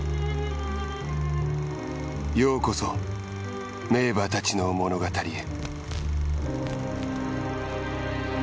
ようこそ名馬たちの物語へ。